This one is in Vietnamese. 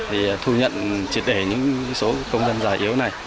thì thu nhận triệt để những số công dân già yếu này